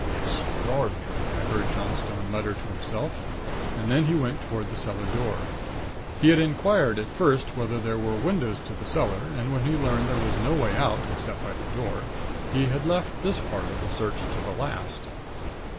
"'Extraordinary!' I heard Johnstone mutter to himself. And then he went toward the cellar door. He had inquired at first whether there were windows to the cellar, and when he learned there was no way out, except by the door, he had left this part of the search to the last.